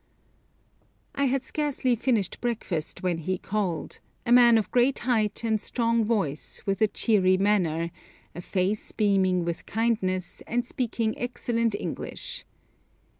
I had scarcely finished breakfast when he called; a man of great height and strong voice, with a cheery manner, a face beaming with kindness, and speaking excellent English.